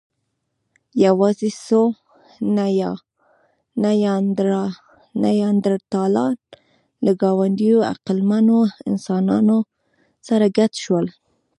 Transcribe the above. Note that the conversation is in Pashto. یواځې څو نیاندرتالان له ګاونډيو عقلمنو انسانانو سره ګډ شول.